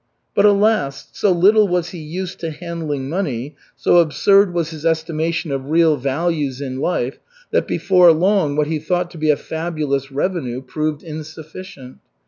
But, alas! so little was he used to handling money, so absurd was his estimation of real values in life, that before long what he thought to be a fabulous revenue proved insufficient.